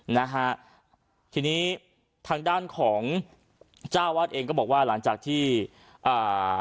นะฮะทีนี้ทางด้านของเจ้าวาดเองก็บอกว่าหลังจากที่อ่า